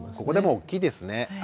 ここでも大きいですね。